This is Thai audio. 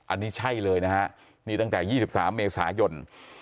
อันนี้ใช่เลยนะฮะนี่ตั้งแต่๒๓เมษายน